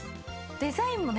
デザインもね